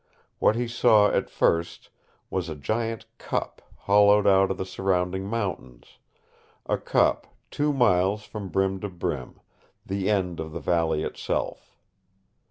What he saw at first was a giant cup hollowed out of the surrounding mountains, a cup two miles from brim to brim, the end of the valley itself.